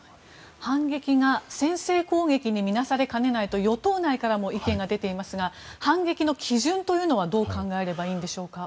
反撃が先制攻撃に見なされかねないと与党内からも意見が出ていますが反撃の基準というのはどう考えればいいのでしょうか。